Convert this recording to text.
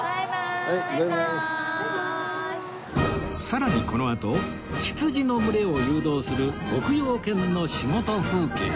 さらにこのあと羊の群れを誘導する牧羊犬の仕事風景や